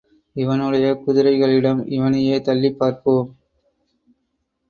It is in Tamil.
இவனுடைய குதிரைகளிடம் இவனையே தள்ளிப் பார்ப்போம்!